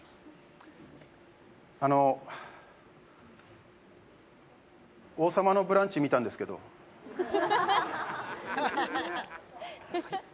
あの「王様のブランチ」見たんですけどはい？